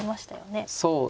そうですね。